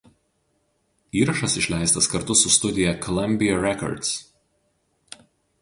Įrašas išleistas kartu su studija „Columbia Records“.